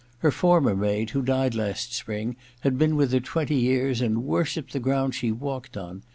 Her former maid, who died last spring, had been with her twenty years and worshipped the ground she walked on.